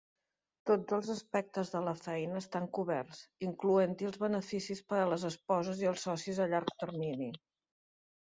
Tots els aspectes de la feina estan coberts, incloent-hi els beneficis per a les esposes i els socis a llarg termini.